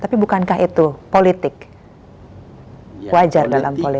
tapi bukankah itu politik wajar dalam politik